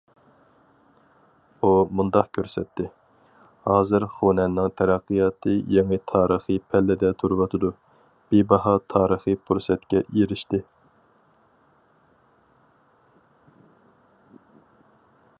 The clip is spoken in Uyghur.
ئۇ مۇنداق كۆرسەتتى: ھازىر خۇنەننىڭ تەرەققىياتى يېڭى تارىخىي پەللىدە تۇرۇۋاتىدۇ، بىباھا تارىخىي پۇرسەتكە ئېرىشتى.